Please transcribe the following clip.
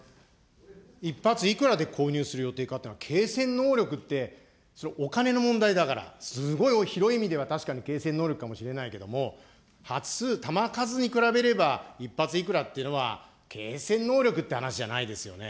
１発いくらで購入する予定かというのは、継戦能力って、それ、お金の問題だから、すごい広い意味では、確かに継戦能力かもしれないけども、発数、弾数に比べれば、１発いくらっていうのは、継戦能力っていう話じゃないですよね。